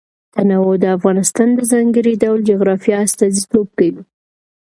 تنوع د افغانستان د ځانګړي ډول جغرافیه استازیتوب کوي.